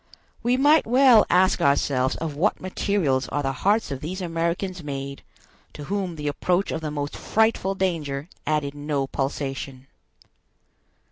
We might well ask ourselves of what materials are the hearts of these Americans made, to whom the approach of the most frightful danger added no pulsation.